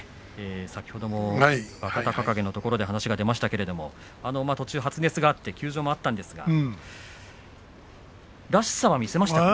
先ほども若隆景のところで話が出ましたけれども途中、発熱があって休場もあったんですがらしさは見せましたね。